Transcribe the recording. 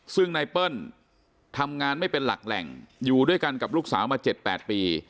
ซึ่งนายเปิ้ลทำงานไม่เป็นหลักแหล่งอยู่ด้วยกันกับลูกสาวมา๗๘ปี